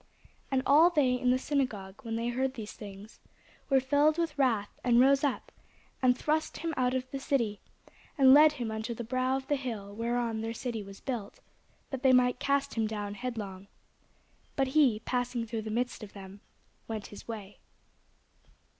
And all they in the synagogue, when they heard these things, were filled with wrath, and rose up, and thrust him out of the city, and led him unto the brow of the hill whereon their city was built, that they might cast him down headlong. But he passing through the midst of them went his way.